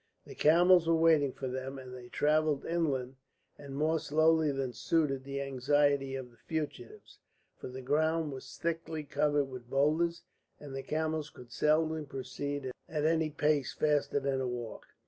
The camels were waiting for them, and they travelled inland and more slowly than suited the anxiety of the fugitives. For the ground was thickly covered with boulders, and the camels could seldom proceed at any pace faster than a walk.